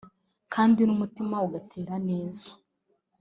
kandi n’umutima ugatera neza